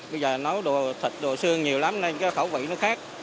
bây giờ nấu thịt đồ xương nhiều lắm nên cái khẩu vị nó khác